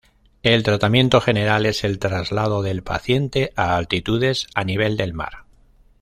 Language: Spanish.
El tratamiento general es el traslado del paciente a altitudes a nivel del mar.